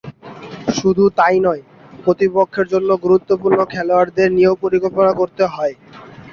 শুধু তা-ই নয়, প্রতিপক্ষের অন্য গুরুত্বপূর্ণ খেলোয়াড়দের নিয়েও পরিকল্পনা করতে হয়।